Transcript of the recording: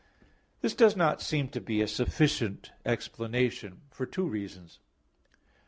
This does not seem to be a sufficient explanation, for two reasons.